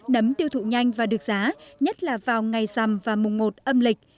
nấm tiêu thụ nhanh và được giá nhất là vào ngày rằm và mùng một âm lịch